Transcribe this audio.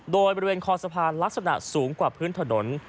โดยบริเวณคอสะพานลักษณะสูงกว่าพื้นถนน